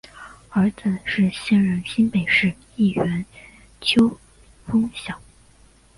儿子是现任新北市议员邱烽尧。